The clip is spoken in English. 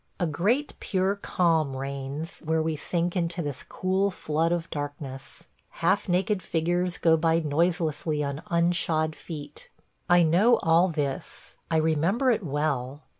A great pure calm reigns where we sink into this cool flood of darkness; ... half naked figures go by noiselessly on unshod feet. ... I know all this; I remember it well.